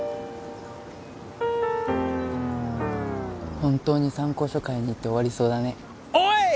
本当に参考書買いに行って終わりそうだねおい！